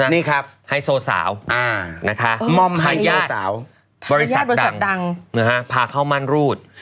นี่ครับมอมไฮโซสาวบริษัทดังพาเข้ามั่นรูด